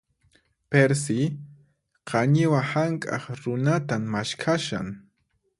Perci, qañiwa hank'aq runatan maskhashan.